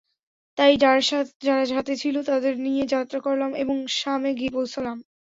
তাই যারা সাথে ছিল তাদের নিয়ে যাত্রা করলাম এবং শামে গিয়ে পৌঁছলাম।